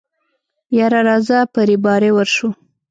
يره راځه په رېبارۍ ورشو.